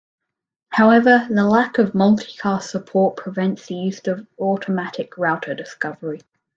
However, the lack of multicast support prevents the use of automatic Router Discovery.